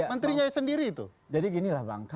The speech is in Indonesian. menterinya sendiri itu jadi ginilah bang